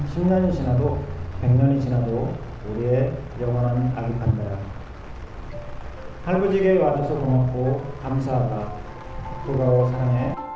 suasana emosional pun semakin terasa ketika pengasuh fubao memberikan salam perpisahan terakhir pada ikon panda korea selatan